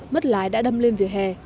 mất lái đã đâm lên vỉa hè